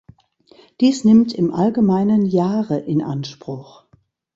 Dies nimmt im Allgemeinen Jahre in Anspruch.